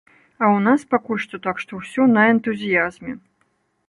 А ў нас пакуль што так, што ўсё на энтузіязме.